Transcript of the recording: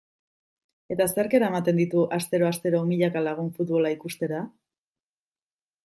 Eta zerk eramaten ditu astero-astero milaka lagun futbola ikustera?